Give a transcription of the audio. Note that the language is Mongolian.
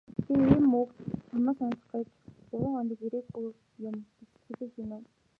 "Би ийм л үг чамаасаа сонсох гэж гурав хоног ирээгүй юм" гэж сэтгэлдээ шивнэв.